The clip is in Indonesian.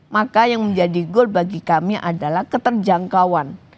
maka yang menjadi goal bagi kami adalah keterjangkauan